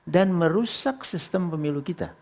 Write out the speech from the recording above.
dan merusak sistem pemilu kita